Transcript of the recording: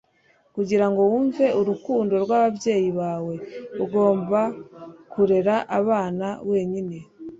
kugira ngo wumve urukundo rw'ababyeyi bawe, ugomba kurera abana wenyine